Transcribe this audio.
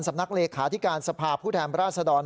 นักเลขาธิการสภาพผู้แทนราชดร